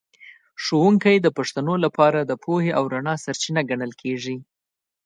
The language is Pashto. ښوونکی د پښتنو لپاره د پوهې او رڼا سرچینه ګڼل کېږي.